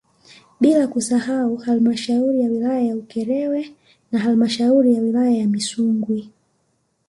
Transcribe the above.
Bila kusahau halmashauri ya wilaya ya Ukerewe na halmashauri ya wilaya ya Misungwi